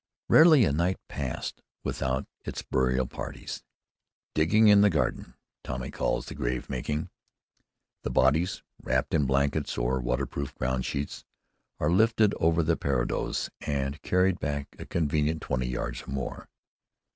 Rarely a night passed without its burial parties. "Digging in the garden" Tommy calls the grave making. The bodies, wrapped in blankets or waterproof ground sheets, are lifted over the parados, and carried back a convenient twenty yards or more.